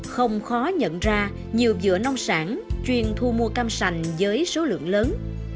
không khó nhận ra nhiều dựa nông sản chuyên thu mua cam sành với số lượng lớn